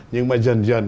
nhưng mà dần dần